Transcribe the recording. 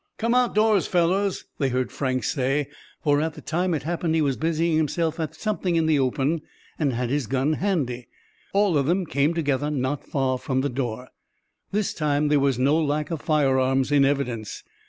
"Come outdoors, fellows!" they heard Frank say; for at the time it happened he was busying himself at something in the open, and had his gun handy. All of them came together not far from the door. This time there was no lack of firearms in evidence.